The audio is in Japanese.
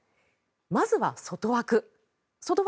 まずは外枠。